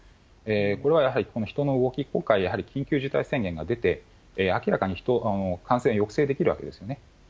これはやはり人の動き、今回、緊急事態宣言が出て、明らかに感染抑制できるわけですね。